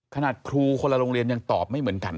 ขนาดครูคนละโรงเรียนยังตอบไม่เหมือนกัน